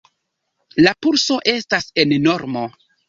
La pulso estas en normo.